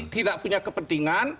tidak punya kepentingan